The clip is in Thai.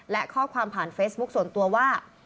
และข้อความผ่านเฟซบุ๊คส่วนตัวว่า